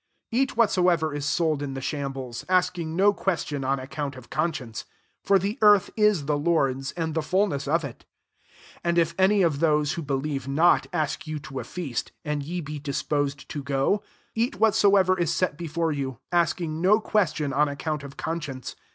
25 Eat whatsoever is sold in the shambles, asking no ques tion on account of conscience. 26 For the earth i* the Lord's, ind the fulness of it.. 27 [And] f any of those who believe not, isk you to a feaaU and ye be lisposed to go; eat whatsoever IS set before you, asking no question on account of con science.